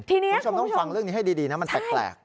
คุณผู้ชมต้องฟังเรื่องนี้ให้ดีนะมันแปลก